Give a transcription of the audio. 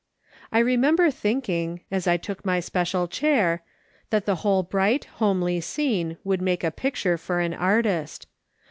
I remember thinking, as I took my special chair, that the whole bright, homely scene would make a picture for an artist.